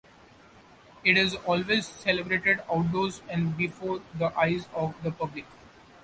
It is always celebrated outdoors and before the eyes of the public.